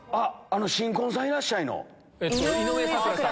『新婚さんいらっしゃい！』の。